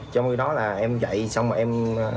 trong khi đó là em chạy xong em